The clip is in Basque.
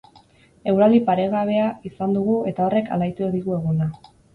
Eguraldi paregabea izan dugu eta horrek alaitu digu eguna.